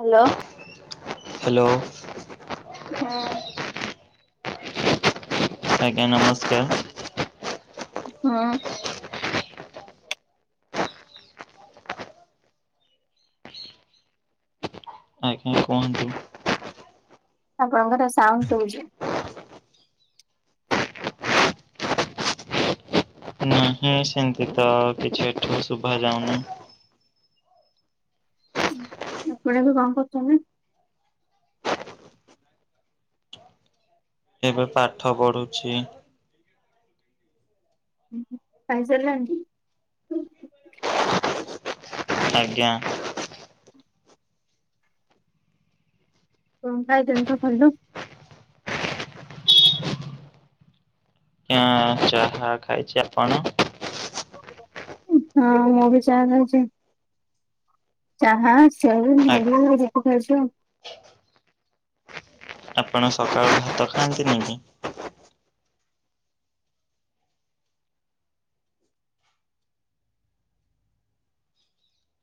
Hello. Hello. ହଁ। ଆଜ୍ଞା ନମସ୍କାର। ହଁ [inaudible] ଆଜ୍ଞା କୁହନ୍ତୁ? ଆପଣଙ୍କର ସାଉଣ୍ଡ ଶୁଭୁଛି। ନାହିଁ ସେମତି ତ କିଛି ଏଠୁ ଶୁଭା ଯାଉନି। ଆପଣ ଏବେ କଣ କରୁଛନ୍ତି? ହ [inaudible] ଏବେ ପାଠ ପଢୁଛି। ଖାଇ ସାରିଲେଣି? ଆଜ୍ଞା ହୁଁ [inaudible] [unintelligible] ଚାହା ଖାଇଛି ଆପଣ? ହଁ ମୁଁ ବି ଚାହା ଖାଉଛି ଚାହା ଆ [unintelligible] ଆପଣ ସକାଳୁ ଭାତ ଖାଆନ୍ତି ନିକି?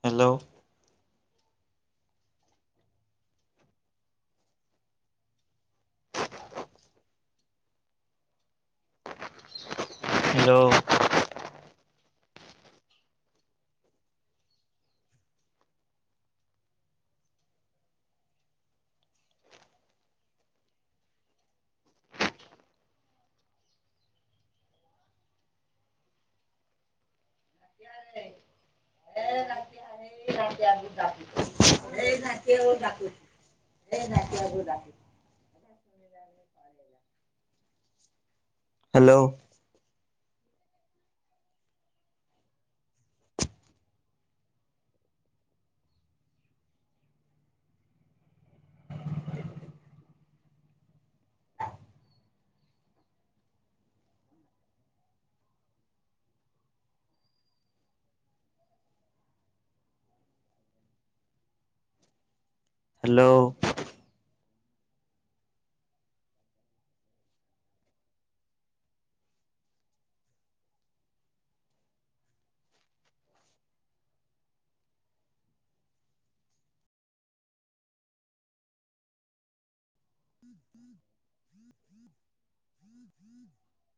Hello hello hello hello [inaudible] [inaudible]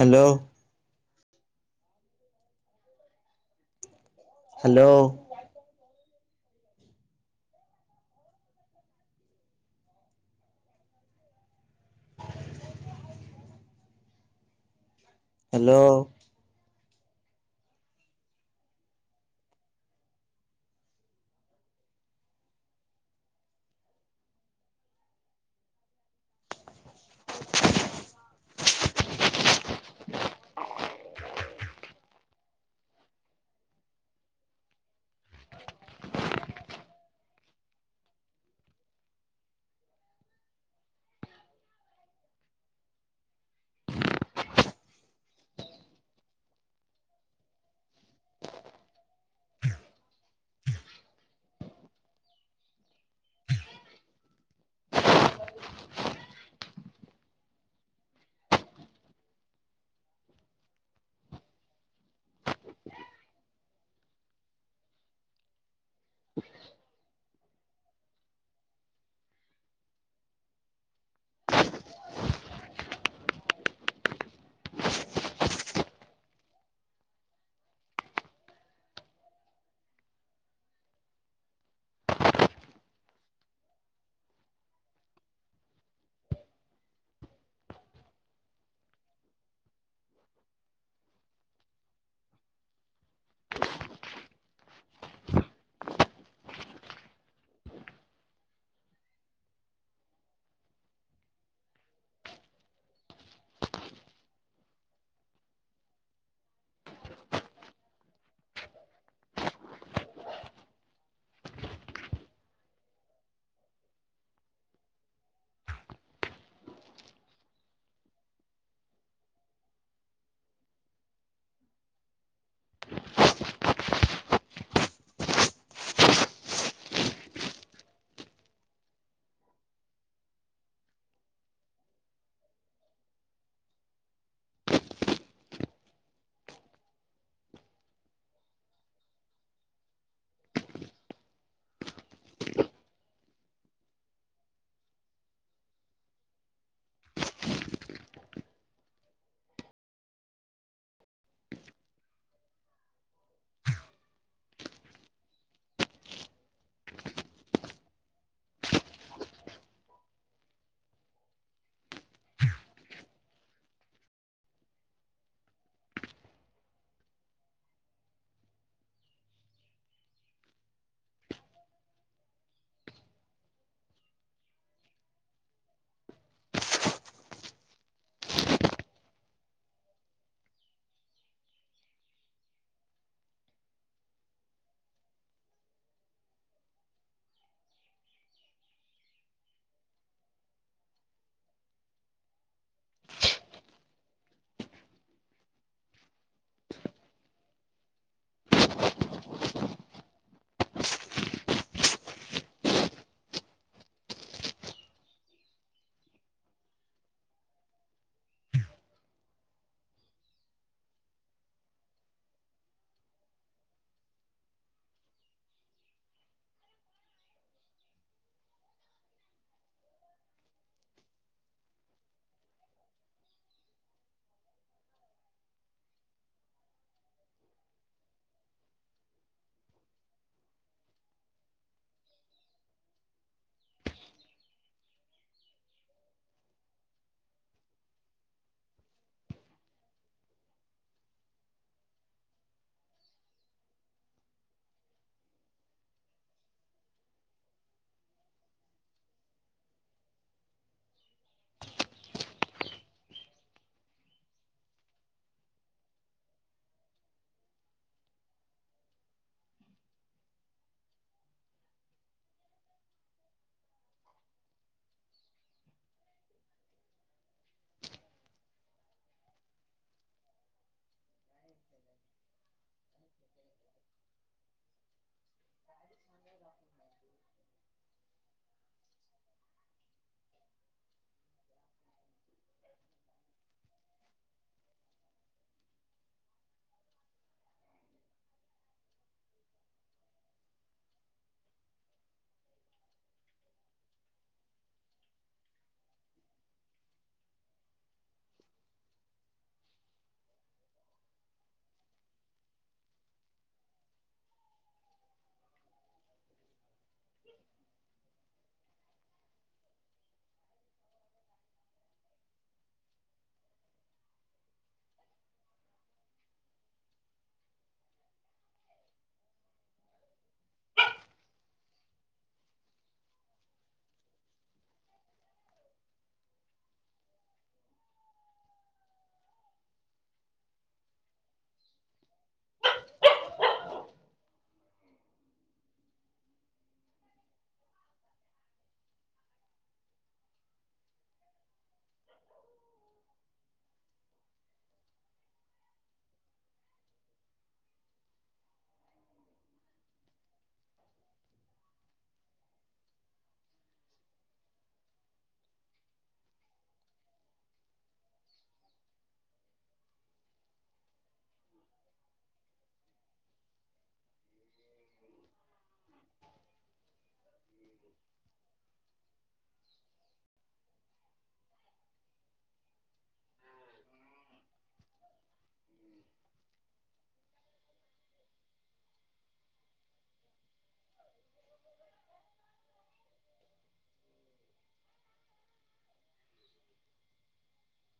hello. Hello. Hello. [inaudible] [inaudible] [inaudible] [inaudible] [inaudible] [inaudible] [inaudible] [inaudible] [inaudible]